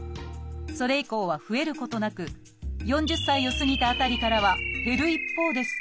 それ以降は増えることなく４０歳を過ぎた辺りからは減る一方です。